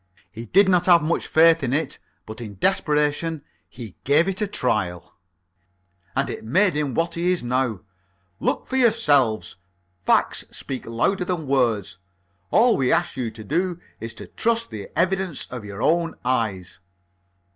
He did not have much faith in it, but in desperation he gave it a trial and it made him what he now is. Look for yourselves. Facts speak louder than words. All we ask you to do is to trust the evidence of your own eyes."